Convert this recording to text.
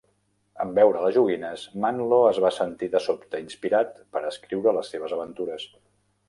En veure les joguines, Mantlo es va sentir de sobte inspirat per escriure les seves aventures.